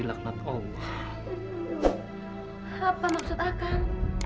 apa maksud akan